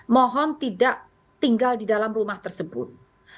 mohon tidak tinggal di dalam rumah tersebut